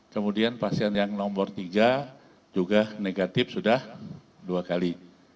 kemudian pasien yang nomor tiga juga negatif sudah dua kali